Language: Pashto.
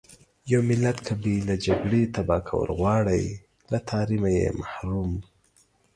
يو ملت که بې له جګړې تبا کول غواړٸ له تعليمه يې محروم .